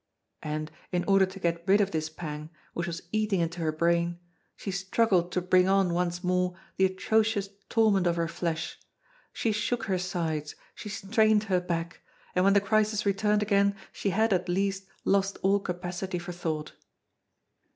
And, in order to get rid of this pang, which was eating into her brain, she struggled to bring on once more the atrocious torment of her flesh; she shook her sides; she strained her back; and when the crisis returned again, she had, at least, lost all capacity for thought.